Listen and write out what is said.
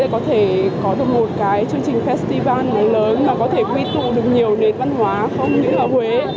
có thể có được một cái chương trình festival lớn mà có thể quy tụ được nhiều nền văn hóa không những ở huế